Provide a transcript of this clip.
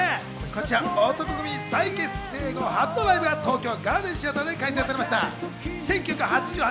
こちら一昨日、男闘呼組の再結成後、初のライブが東京ガーデンシアターで開催されました。